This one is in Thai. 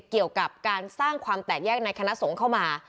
เกี่ยวกับการสร้างความแตกแยกในคณะสงฆ์เข้ามา